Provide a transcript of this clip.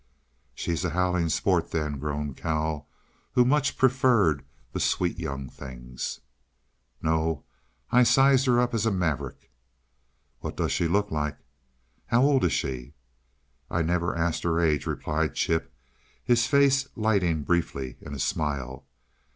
"She's a howling sport, then!" groaned Cal, who much preferred the Sweet Young Things. "No I sized her up as a maverick." "What does she look like?" "How old is she?" "I never asked her age," replied Chip, his face lighting briefly in a smile.